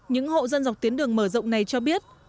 những hộ dân dọc tuyến đường mở rộng này cho biết